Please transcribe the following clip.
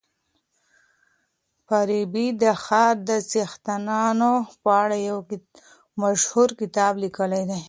فارابي د ښار د څښتنانو په اړه يو مشهور کتاب ليکلی دی.